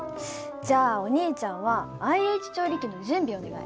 じゃあお兄ちゃんはＩＨ調理器の準備をお願い。